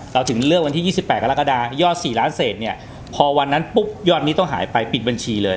ถึงเลือกวันที่๒๘กรกฎายอด๔ล้านเศษเนี่ยพอวันนั้นปุ๊บยอดนี้ต้องหายไปปิดบัญชีเลย